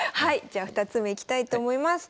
じゃあ２つ目いきたいと思います。